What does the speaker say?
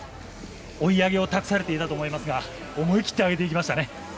追い上げを託されていたと思いますが思い切って上げていきましたね。